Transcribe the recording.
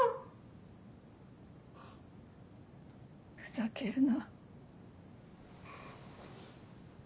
ふざけるな。